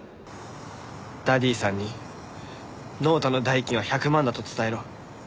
ダディさんにノートの代金は１００万だと伝えろ。